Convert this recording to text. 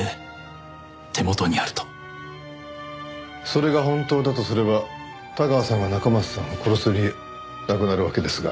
それが本当だとすれば田川さんが中松さんを殺す理由なくなるわけですが。